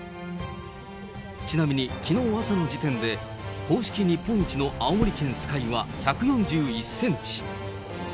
ちなみに、きのう朝の時点で、公式日本一の青森県酸ヶ湯は１４１センチ。